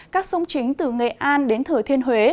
các sông chính từ nghệ an đến thừa thiên huế